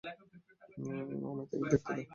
আমায় দেখতে দাও।